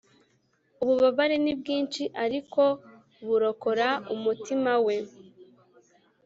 ububabare ni bwinshi ariko burokora umutima we